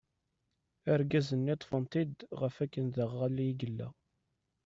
Argaz-nni ṭṭfen-t-id ɣef akken d aɣalli i yella.